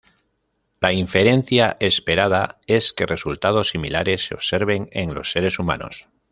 La inferencia esperada es que resultados similares se observen en los seres humanos.